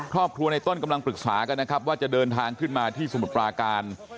ครอบครัวในต้นกำลังปรึกษากันนะครับว่าจะเดินทางขึ้นมาที่สมุทรปราการ